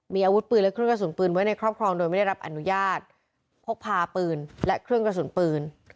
มีอาวุธปืนและเครื่องกระสุนปืนไว้ในครอบครองโดยไม่ได้รับอนุญาตพกพาปืนและเครื่องกระสุนปืน